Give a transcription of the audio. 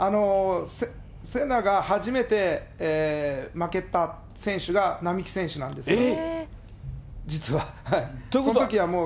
聖奈が初めて負けた選手が並木選手なんですよ、実は。